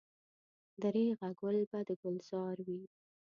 درېغه ګل به د ګلزار وي.